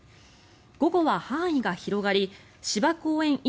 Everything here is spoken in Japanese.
午後は範囲が広がり芝公園